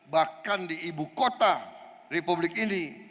bahkan di ibu kota republik ini